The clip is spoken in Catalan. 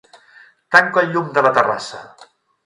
Tanca el llum de la terrassa.